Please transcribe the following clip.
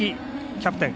キャプテン